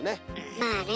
まあね